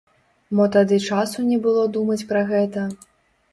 Мо тады часу не было думаць пра гэта?